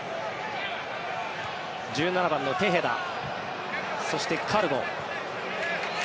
１７番のテヘダそしてカルボ。